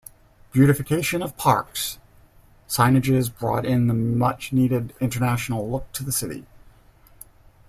Beautification of parks, signages brought in the much needed international look to the city.